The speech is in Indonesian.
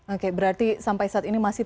oke berarti sampai saat ini masih ada informasi